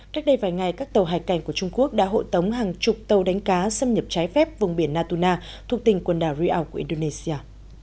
cách đây vài ngày các tàu hải cảnh của trung quốc đã hộ tống hàng chục tàu đánh cá xâm nhập trái phép vùng biển natuna thuộc tỉnh quần đảo riau của indonesia